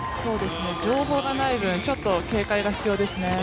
情報がない分、ちょっと警戒が必要ですね。